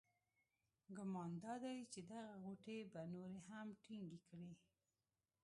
ګمان دادی چې دغه غوټې به نورې هم ټینګې کړي.